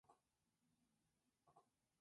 Pero no todo es agradable en el circo.